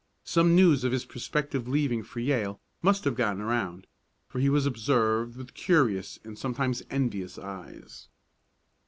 Some news of his prospective leaving for Yale must have gotten around, for he was observed with curious, and sometimes envious eyes.